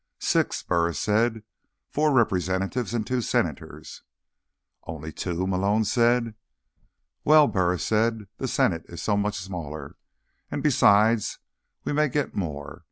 "Six," Burris said. "Four representatives, and two senators." "Only two?" Malone said. "Well," Burris said, "the Senate is so much smaller. And, besides, we may get more.